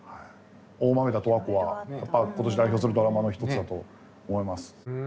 「大豆田とわ子」は今年を代表するドラマの一つだと思います。